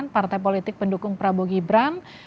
partai politik pendukung prabowo gibran